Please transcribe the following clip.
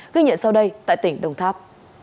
ghi nhận sau đây tại tỉnh đồng tháp